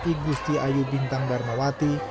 igusti ayu bintang barnawati